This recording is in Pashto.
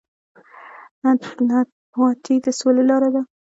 نانواتې د سولې لاره ده